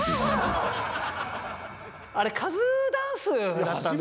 あれカズダンスだったんですね。